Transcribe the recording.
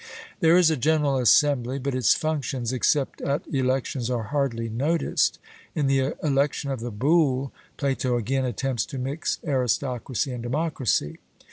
There is a general assembly, but its functions, except at elections, are hardly noticed. In the election of the Boule, Plato again attempts to mix aristocracy and democracy.